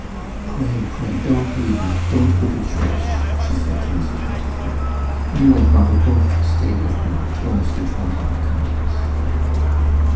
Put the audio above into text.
'Pray, pray, don't leave me, don't go to church,' she said to Mrs. Pettifer. 'You and mother both stay with me till Mr. Tryan comes.